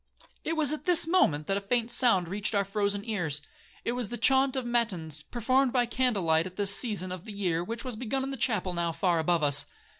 'It was at this moment that a faint sound reached our frozen ears;—it was the chaunt of matins, performed by candlelight at this season of the year, which was begun in the chapel now far above us.